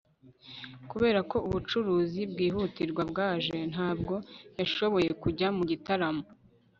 kubera ko ubucuruzi bwihutirwa bwaje, ntabwo yashoboye kujya mu gitaramo